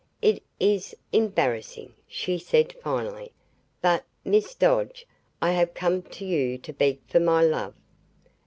"It IS embarrassing," she said finally, "but, Miss Dodge, I have come to you to beg for my love."